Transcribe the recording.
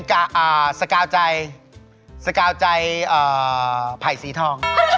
อภิษฎาปราเจียวบอล